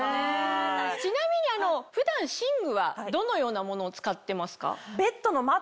ちなみに普段寝具はどのようなものを使ってますか？